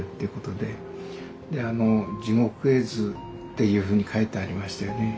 であの地獄絵図っていうふうに書いてありましたよね。